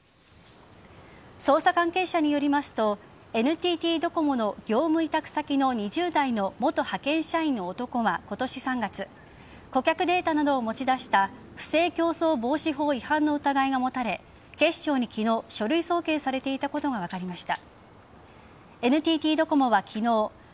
捜査関係者によりますとＮＴＴドコモの業務委託先の２０代の元派遣社員の男は今年３月顧客データなどを持ち出した不正競争防止法違反の疑いが持たれ警視庁に昨日書類送検されていたことが分かりました。